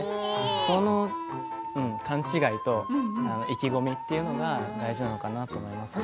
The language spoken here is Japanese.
その勘違いと意気込みというのが大事なのかなと思います。